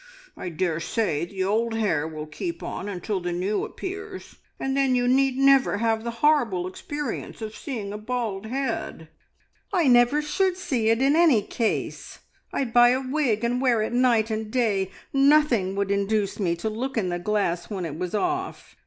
I daresay the old hair will keep on until the new appears, and then you need never have the horrible experience of seeing a bald head." "I never should see it in any case. I'd buy a wig and wear it night and day. Nothing would induce me to look in the glass when it was off.